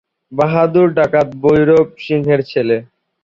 বাহাদুর ডাকাত ভৈরব সিংহের ছেলে।